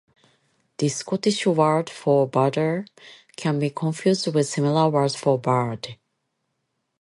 This Scottish word for "border" can be confused with similar words for "bird".